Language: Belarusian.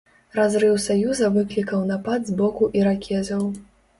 Разрыў саюза выклікаў напад з боку іракезаў.